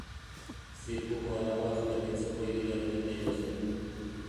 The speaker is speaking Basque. Zirkuko arauak berritzeko ideiarekin jaio zen.